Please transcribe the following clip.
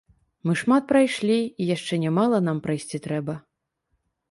Мы шмат прайшлі, і яшчэ нямала нам прайсці трэба.